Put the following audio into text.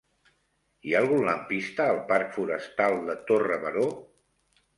Hi ha algun lampista al parc Forestal de Torre Baró?